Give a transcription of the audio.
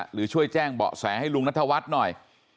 หรือช่วยแจ้งบอกแสงให้ลุงณฑวรรษหน่อย